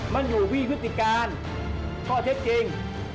มันอยู่วิวิติการก็เท็จจริง